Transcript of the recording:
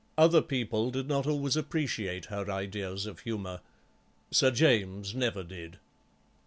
Other people did not always appreciate her ideas of humour. Sir James never did.